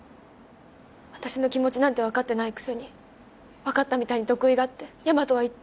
私の気持ちなんてわかってないくせにわかったみたいに得意がって大和はいっつもそう。